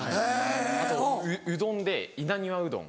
あとうどんで稲庭うどん。